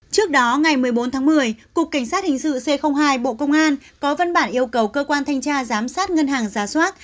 trước đó ngày một mươi bốn tháng một mươi cục cảnh sát hình sự c hai bộ công an có văn bản yêu cầu cơ quan thanh tra giám sát ngân hàng giả soát